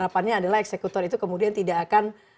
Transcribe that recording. harapannya adalah eksekutor itu kemudian tidak akan bersuara begitu ya